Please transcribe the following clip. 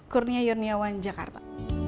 purnia yurniawan jakarta